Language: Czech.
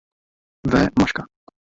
V. Maška.